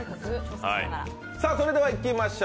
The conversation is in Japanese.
それではいきましょう、